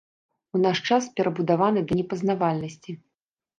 У наш час перабудаваны да непазнавальнасці.